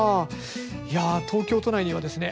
いや東京都内にはですね